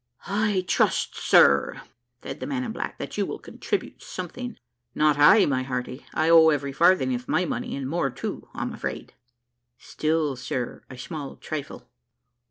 "I trust, sir," said the man in black, "that you will contribute something." "Not I, my hearty; I owe every farthing of my money, and more too, I'm afraid." "Still, sir, a small trifle."